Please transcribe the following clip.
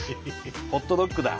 ホットドッグだ。